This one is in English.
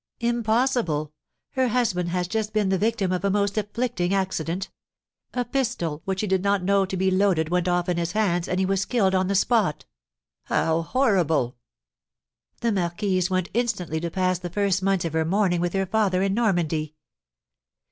"Impossible! Her husband has just been the victim of a most afflicting accident: a pistol which he did not know to be loaded went off in his hands, and he was killed on the spot." "How horrible!" "The marquise went instantly to pass the first months of her mourning with her father in Normandy."